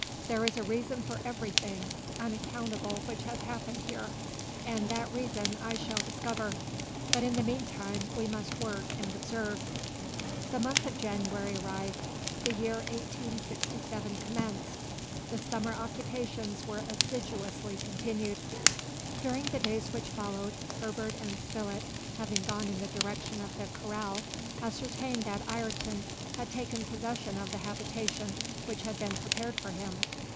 There is a reason for everything unaccountable which has happened here, and that reason I shall discover. But in the meantime we must work and observe." The month of January arrived. The year 1867 commenced. The summer occupations were assiduously continued. During the days which followed, Herbert and Spilett having gone in the direction of the corral, ascertained that Ayrton had taken possession of the habitation which had been prepared for him.